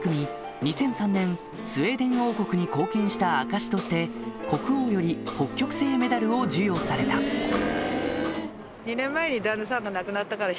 ２００３年スウェーデン王国に貢献した証しとして国王より北極星メダルを授与されたハッハッハッ。